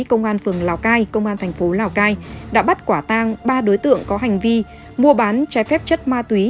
công an phường lào cai công an thành phố lào cai đã bắt quả tang ba đối tượng có hành vi mua bán trái phép chất ma túy